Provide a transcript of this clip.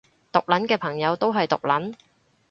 毒撚嘅朋友都係毒撚